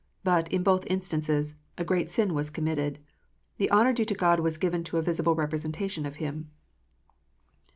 But, in both instances, a great sin was committed. The honour due to God was given to a visible representation of Him.